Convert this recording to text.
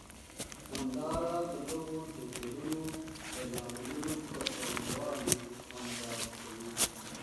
همداراز د دغو توپیرونو د لاملونو پر څرنګوالي هم بحث کوي.